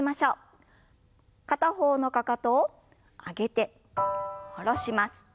片方のかかとを上げて下ろします。